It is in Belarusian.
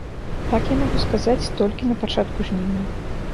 Так я магу сказаць толькі на пачатку жніўня.